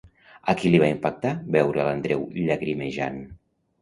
A qui li va impactar veure a l'Andreu llagrimejant?